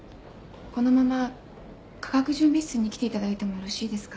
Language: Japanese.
このまま化学準備室に来ていただいてもよろしいですか？